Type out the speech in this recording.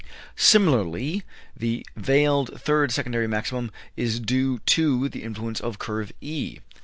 Similarly, the veiled third secondary maximum is due to the influence of Curve E.